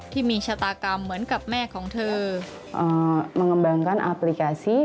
ที่มีชะตากรรมเหมือนกับแม่ของเธอเอ่อมังบังกันอัพพลิกาซี